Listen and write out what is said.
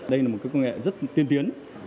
đây là một công nghệ rất tiên tiến